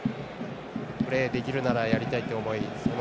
プレーできるならやりたいという思い